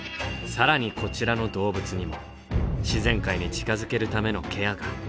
更にこちらの動物にも自然界に近づけるためのケアが。